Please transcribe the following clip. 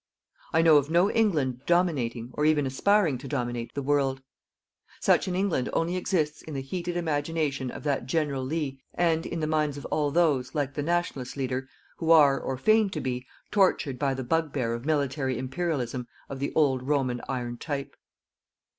I know of no England dominating, or even aspiring to dominate, the world. Such an England only exists in the heated imagination of that General Lea and in the minds of all those, like the Nationalist leader, who are, or feign to be, tortured by the bugbear of military Imperialism of the old Roman ironed type.